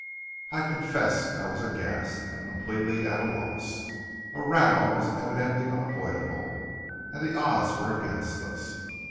I confessed I was aghast, and completely at a loss. A row was evidently unavoidable, and the odds were against us.